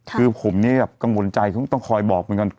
คือผมกังวลใจต้องคอยบอกมันก่อน